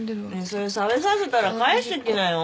それ食べさせたら帰してきなよ。